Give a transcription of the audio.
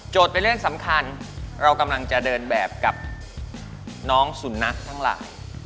เป็นเรื่องสำคัญเรากำลังจะเดินแบบกับน้องสุนัขทั้งหลาย